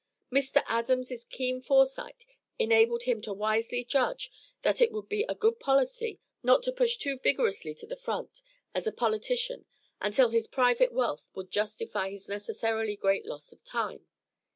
Mr. Adams' keen foresight enabled him to wisely judge that it would be a good policy not to push too vigorously to the front as a politician until his private wealth would justify his necessarily great loss of time.